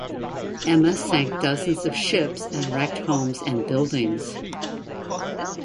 Emma sank dozens of ships and wrecked homes and buildings.